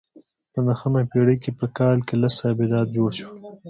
په نهمه پېړۍ کې په کال کې لس آبدات جوړ شول